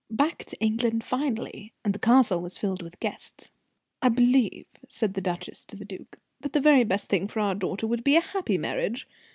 Back to England finally, and the castle was filled with guests. "I believe," said the duchess to the duke, "that the best thing for our daughter would be a happy marriage.